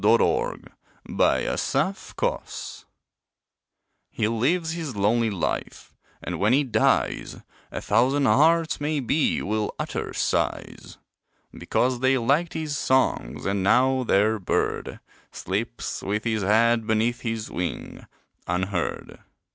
THE LONELY DREAMER He lives his lonely life, and when he dies A thousand hearts maybe will utter sighs; Because they liked his songs, and now their bird Sleeps with his head beneath his wing, unheard.